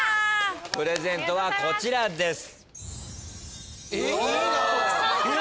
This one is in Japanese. プレゼントはこちらです。